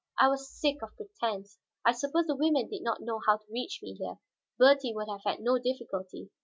I was sick of pretense. I suppose the women did not know how to reach me here; Bertie would have had no difficulty.